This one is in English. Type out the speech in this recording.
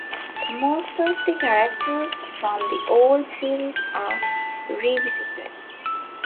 Most of the characters from the old series are revisited.